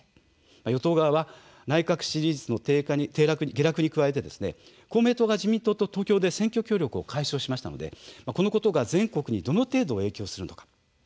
野党側は内閣支持率の下落に加えて公明党が自民党と東京で選挙協力を解消しましたのでこのことが全国にどの程度、影響するのか。